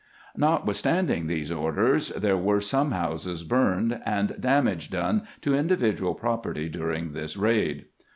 Notwith standing these orders, there were some houses burned and damage done to individual property during this raid.